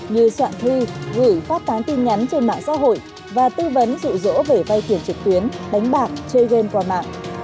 như soạn thư gửi phát tán tin nhắn trên mạng xã hội và tư vấn rụ rỗ về vay tiền trực tuyến đánh bạc chơi game qua mạng